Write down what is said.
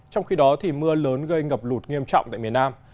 trong khi đó mưa lớn gây ngập lụt nghiêm trọng tại miền nam